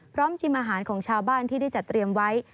ชิมอาหารของชาวบ้านที่ได้จัดเตรียมไว้